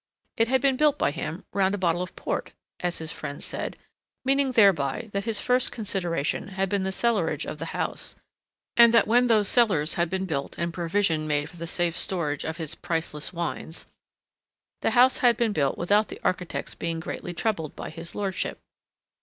It had been built by him "round a bottle of port," as his friends said, meaning thereby that his first consideration had been the cellarage of the house, and that when those cellars had been built and provision made for the safe storage of his priceless wines, the house had been built without the architect's being greatly troubled by his lordship.